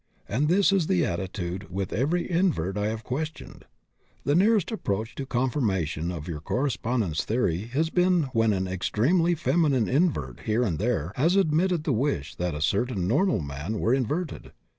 And this is the attitude with every invert I have questioned. The nearest approach to confirmation of your correspondent's theory has been when an extremely feminine invert here and there has admitted the wish that a certain normal man were inverted.